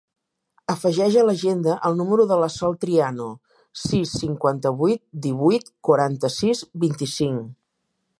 Afegeix a l'agenda el número de la Sol Triano: sis, cinquanta-vuit, divuit, quaranta-sis, vint-i-cinc.